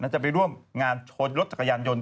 จะไปร่วมงานชนรถจักรยานยนต์